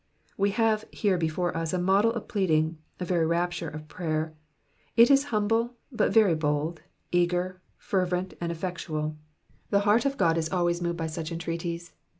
We have here before us a model of pleading, a very rapture of prayer. It is humble, but very bold, eager, fervent, and effectual. The heart of God is always moved by such entreaties.